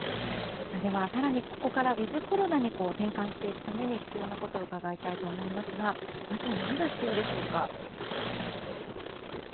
では更にここからウィズコロナに転換していくために必要なことを伺いたいと思いますがまず何が必要でしょうか。